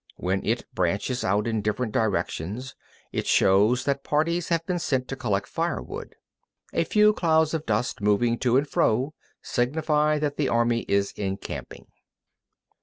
When it branches out in different directions, it shows that parties have been sent to collect firewood. A few clouds of dust moving to and fro signify that the army is encamping.